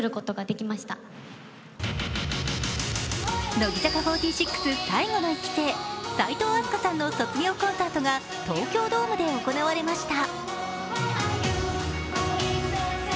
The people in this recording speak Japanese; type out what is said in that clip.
乃木坂４６最後の１期生齋藤飛鳥さんの卒業コンサートが東京ドームで行われました。